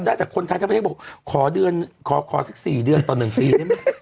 ได้แต่คนไทยทั้งประเทศบอกขอเดือนขอสัก๔เดือนต่อ๑ปีได้ไหม